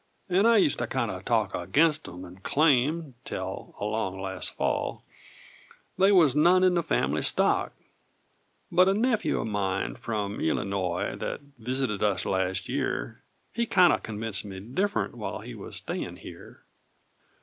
And I ust to kindo' talk Aginst 'em, and claim, 'tel along last fall, They was none in the fambly stock; But a nephew of mine, from Eelinoy, That visited us last year, He kindo' convinct me different While he was a stayin' here.